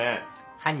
犯人？